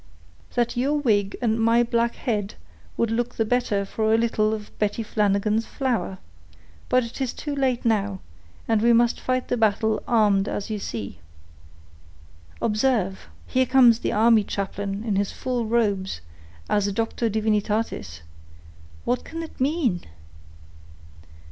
"That your wig and my black head would look the better for a little of Betty Flanagan's flour; but it is too late now, and we must fight the battle armed as you see." "Observe, here comes the army chaplain in his full robes, as a Doctor Divinitatis; what can it mean?"